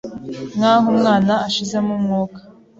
nk’aho umwana ashizemo umwuka,